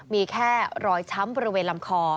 มีแค่รอยช้ำบริเวณลำคอ